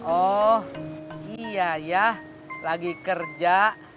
oh iya ya lagi kerja